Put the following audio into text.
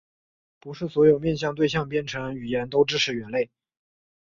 不是所有面向对象编程语言都支持元类。